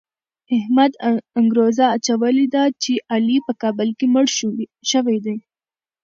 احمد انګروزه اچولې ده چې علي په کابل کې مړ شوی دی.